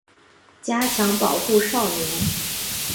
加强保护少年